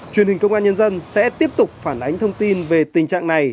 truyền hình công an nhân dân sẽ tiếp tục phản ánh thông tin về tình trạng này